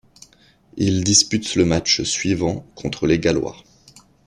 Il dispute le match suivant contre les Gallois.